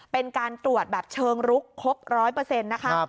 เป็นการตรวจแบบเชิงลุกครบ๑๐๐นะคะ